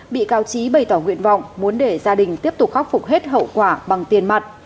bị cáo trí bày tỏ nguyện vọng muốn để gia đình tiếp tục khắc phục hết hậu quả bằng tiền mặt